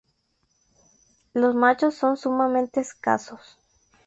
Los machos son sumamente escasos.